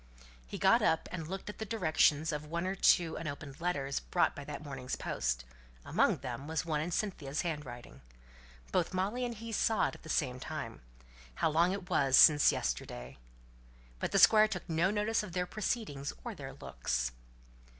He got up and looked at the directions of one or two unopened letters brought by that morning's post; among them was one in Cynthia's handwriting. Both Molly and he saw it at the same time. How long it was since yesterday! But the Squire took no notice of their proceedings or their looks.